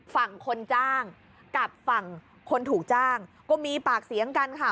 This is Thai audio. ฝั่งคนจ้างกับฝั่งคนถูกจ้างก็มีปากเสียงกันค่ะ